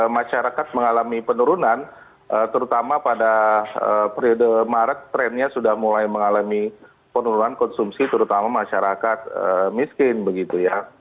masyarakat mengalami penurunan terutama pada periode maret trennya sudah mulai mengalami penurunan konsumsi terutama masyarakat miskin begitu ya